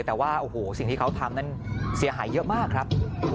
แต่ว่าโอ้โหสิ่งที่เขาทำนั้นเสียหายเยอะมากครับ